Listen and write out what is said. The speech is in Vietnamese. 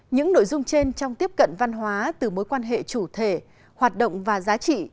những nội dung trên trong tiếp cận văn hóa từ mối quan hệ chủ thể hoạt động và giá trị